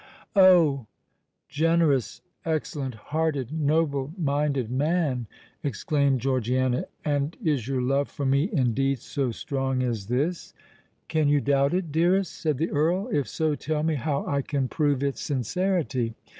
"Oh! generous—excellent hearted—noble minded man," exclaimed Georgiana; "and is your love for me indeed so strong as this?" "Can you doubt it, dearest?" said the Earl. "If so—tell me how I can prove its sincerity?"